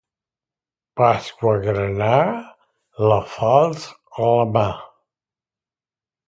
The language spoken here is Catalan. Pasqua «granà», la falç a la mà.